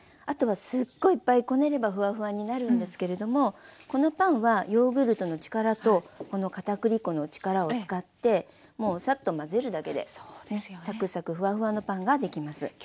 あとはすっごいいっぱいこねればフワフワになるんですけれどもこのパンはヨーグルトの力とこのかたくり粉の力を使ってもうサッと混ぜるだけでサクサクフワフワのパンができます。